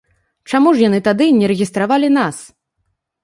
Чаму ж яны тады не рэгістравалі нас?